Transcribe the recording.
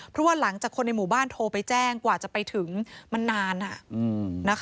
เพราะว่าหลังจากคนในหมู่บ้านโทรไปแจ้งกว่าจะไปถึงมันนาน